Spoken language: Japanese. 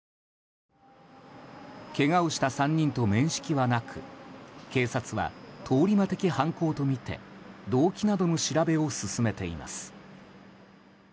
けがをした３人と面識はなく警察は通り魔的犯行とみて動機などの調べを進めています。